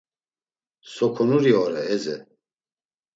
Sokonuri ore Eze?